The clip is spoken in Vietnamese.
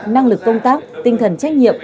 năng lực công tác tinh thần trách nhiệm